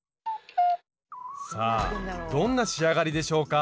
さあどんな仕上がりでしょうか？